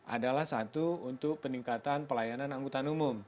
adalah satu untuk peningkatan pelayanan anggota umum